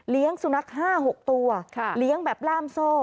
สุนัข๕๖ตัวเลี้ยงแบบล่ามโซ่